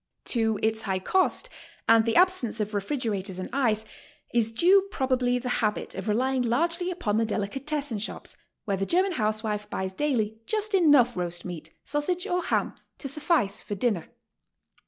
To its high cost, and the absence of refrigerators and ice, is due probably the habit of relying largely upon the delicatessen shops, where the German housewife buys daily just enough roast meat, sausage or ham to suffice for dinner.